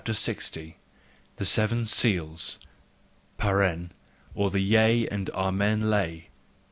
_ LX. THE SEVEN SEALS. (OR THE YEA AND AMEN LAY.)